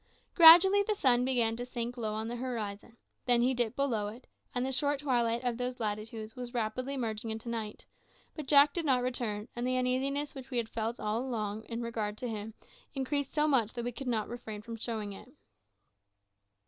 Gradually the sun began to sink low on the horizon; then he dipped below it, and the short twilight of those latitudes was rapidly merging into night; but Jack did not return, and the uneasiness which we had all along felt in regard to him increased so much that we could not refrain from showing it.